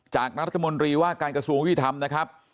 จากนัฐมนตรีว่าการกระสวงวิถำนะครับ